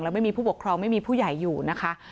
ไม่มีผู้ปกครองไม่มีผู้ใหญ่อยู่นะคะ